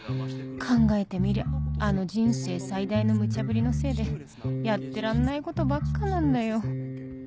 考えてみりゃあの人生最大のムチャブリのせいでやってらんないことばっかなんだよ